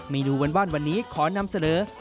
เมนูวันวันนี้ขอนำเสนอ